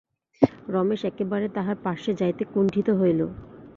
রমেশ একেবারে তাহার পার্শ্বে যাইতে কুণ্ঠিত হইল।